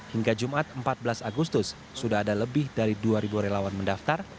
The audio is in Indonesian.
hingga jumat empat belas agustus sudah ada lebih dari dua relawan mendaftar